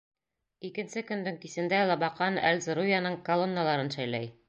Икенсе көндөң кисендә Лабаҡан Әл-Зеруйаның колонналарын шәйләй.